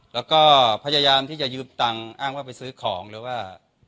แล้วก็พยายามที่จะยืมตังค์อ้างว่าไปซื้อของหรือว่า